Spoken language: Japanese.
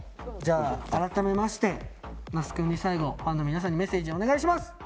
じゃあ改めまして那須くんに最後ファンの皆さんにメッセージお願いします！